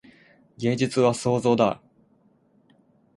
芸術は創造だ。